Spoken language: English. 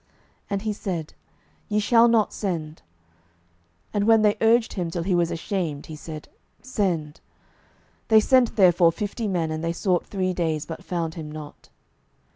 And he said, Ye shall not send. 12:002:017 And when they urged him till he was ashamed, he said, Send. They sent therefore fifty men; and they sought three days, but found him not.